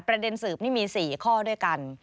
ประเด็นสืบนี่มี๔ข้อด้วยกัน